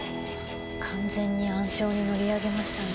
完全に暗礁に乗り上げましたね。